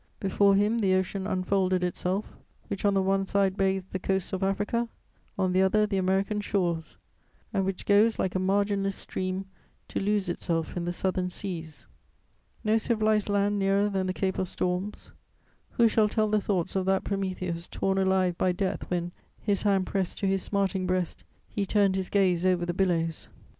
Before him, the Ocean unfolded itself, which on the one side bathes the coasts of Africa, on the other the American shores, and which goes, like a marginless stream, to lose itself in the southern seas. No civilized land nearer than the Cape of Storms. Who shall tell the thoughts of that Prometheus torn alive by death, when, his hand pressed to his smarting breast, he turned his gaze over the billows!